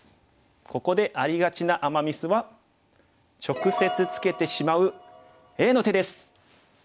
ここでありがちなアマ・ミスは直接ツケてしまうＡの手です。